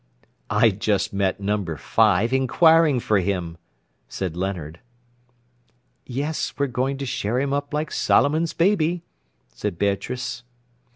"I just met number five inquiring for him," said Leonard. "Yes—we're going to share him up like Solomon's baby," said Beatrice.